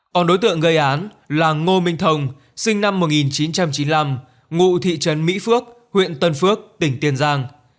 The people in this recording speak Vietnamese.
còn đối tượng gây án là ngô minh thông sinh năm một nghìn chín trăm chín mươi năm ngụ thị trấn mỹ phước huyện tân phước tỉnh tiền giang